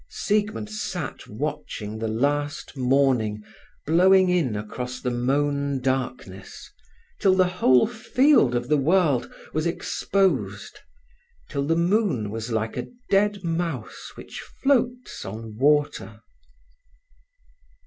Siegmund sat watching the last morning blowing in across the mown darkness, till the whole field of the world was exposed, till the moon was like a dead mouse which floats on water.